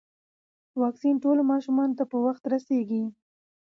واکسین ټولو ماشومانو ته په وخت رسیږي.